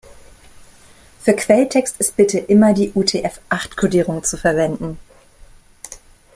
Für Quelltext ist bitte immer die UTF-acht-Kodierung zu verwenden.